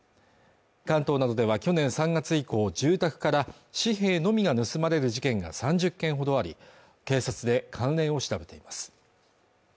関東などでは去年３月以降住宅から紙幣のみが盗まれる事件が３０件ほどあり警察で関連を調べています